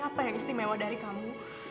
apa yang istimewa dari kamu